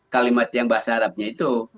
kalimat yang bahasa arabnya itu